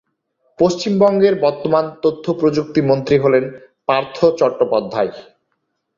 পশ্চিমবঙ্গের বর্তমান তথ্যপ্রযুক্তি মন্ত্রী হলেন পার্থ চট্টোপাধ্যায়